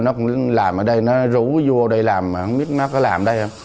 nó cũng làm ở đây nó rủ vua ở đây làm mà không biết nó có làm ở đây không